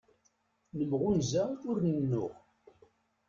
Nemɣunza ur nennuɣ.